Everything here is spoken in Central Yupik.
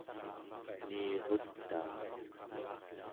niirutaa